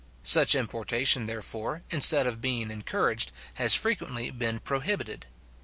Such importation, therefore, instead of being encouraged, has frequently been prohibited.